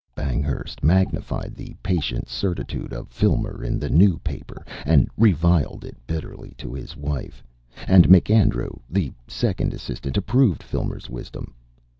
Banghurst magnified the patient certitude of Filmer in the New Paper, and reviled it bitterly to his wife, and MacAndrew, the second assistant, approved Filmer's wisdom.